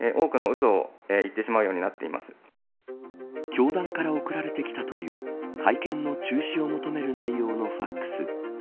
教団から送られてきたという会見の中止を求める内容のファックス。